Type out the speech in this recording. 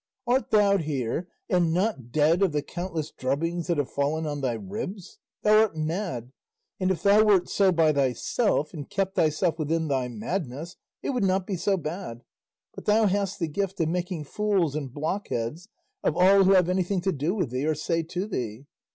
art thou here, and not dead of the countless drubbings that have fallen on thy ribs? Thou art mad; and if thou wert so by thyself, and kept thyself within thy madness, it would not be so bad; but thou hast the gift of making fools and blockheads of all who have anything to do with thee or say to thee.